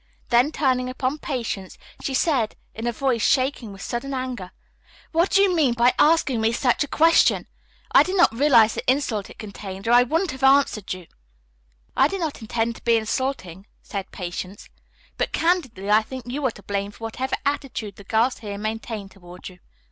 Then, turning upon Patience, she said in a voice shaking with sudden anger: "What do you mean by asking me such a question? I did not realize the insult it contained or I wouldn't have answered you." "I did not intend to be insulting," said Patience, "but candidly I think you are to blame for whatever attitude the girls here maintain toward you.